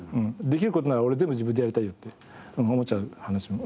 できる事なら俺全部自分でやりたいよって思っちゃう話も。